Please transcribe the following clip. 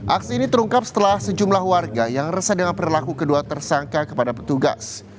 aksi ini terungkap setelah sejumlah warga yang resah dengan perilaku kedua tersangka kepada petugas